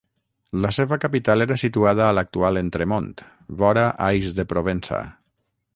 La seva capital era situada a l'actual Entremont, vora Ais de Provença.